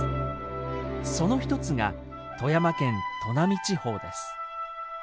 その一つが富山県砺波地方です。